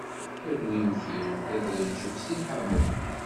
Taglimt-iw tella treǧǧef seg lḥamu.